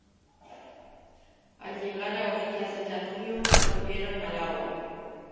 Al llegar a orillas del Danubio volvieron al agua.